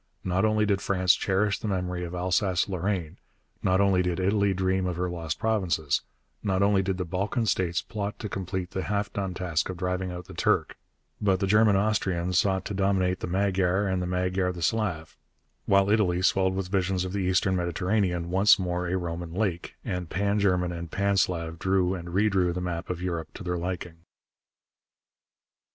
Not only did France cherish the memory of Alsace Lorraine; not only did Italy dream of her lost provinces; not only did the Balkan states plot to complete the half done task of driving out the Turk; but the German Austrian sought to dominate the Magyar and the Magyar the Slav, while Italy swelled with visions of the Eastern Mediterranean once more a Roman lake, and Pan German and Pan Slav drew and re drew the map of Europe to their liking.